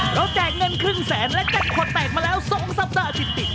เราแจกเงินครึ่งแสนและแจกขอตแตกมาแล้ว๒สัปดาห์อาทิตย์